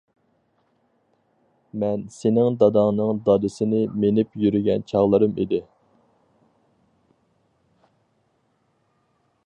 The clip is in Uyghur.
مەن سېنىڭ داداڭنىڭ دادىسىنى مىنىپ يۈرگەن چاغلىرىم ئىدى.